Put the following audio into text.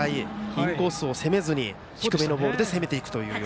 インコースを攻めず低めのボールで攻めるという。